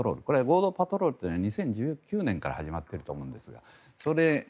合同パトロールというのは２０１９年から始まっていると思うんです。